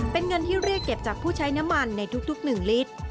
เป็นเงินที่เรียกเก็บจากผู้ใช้น้ำมันในทุก๑ลิตร